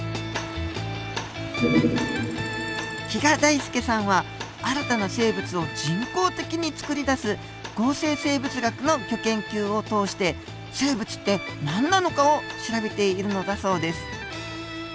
木賀大介さんは新たな生物を人工的につくり出す合成生物学のギョ研究を通して生物って何なのかを調べているのだそうです。